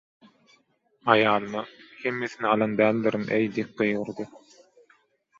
Aýalyna: - Hemmesini alan däldirin-eý – diýip gygyrdy.